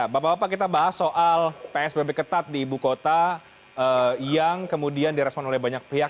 bapak bapak kita bahas soal psbb ketat di ibu kota yang kemudian direspon oleh banyak pihak